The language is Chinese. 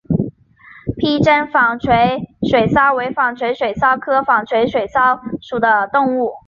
披针纺锤水蚤为纺锤水蚤科纺锤水蚤属的动物。